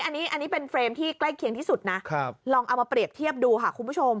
อันนี้เป็นเฟรมที่ใกล้เคียงที่สุดนะลองเอามาเปรียบเทียบดูค่ะคุณผู้ชม